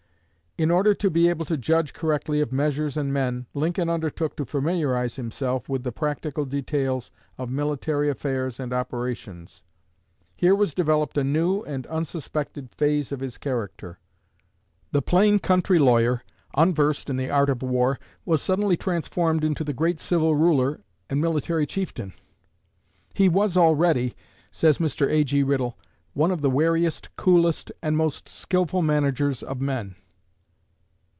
In order to be able to judge correctly of measures and men, Lincoln undertook to familiarize himself with the practical details of military affairs and operations. Here was developed a new and unsuspected phase of his character. The plain country lawyer, unversed in the art of war, was suddenly transformed into the great civil ruler and military chieftain. "He was already," says Mr. A.G. Riddle, "one of the wariest, coolest, and most skilful managers of men.